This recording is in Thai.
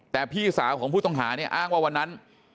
แต่พี่สาวของผู้ต้องหาเนี่ยอ้างว่าวันนั้น